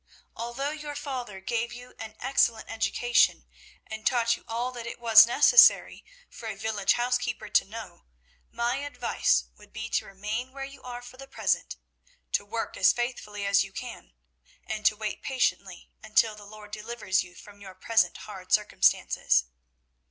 Although your father gave you an excellent education, and taught you all that it was necessary for a village housekeeper to know, my advice would be to remain where you are for the present; to work as faithfully as you can, and to wait patiently until the Lord delivers you from your present hard circumstances.